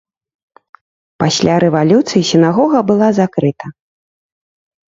Пасля рэвалюцыі сінагога была закрыта.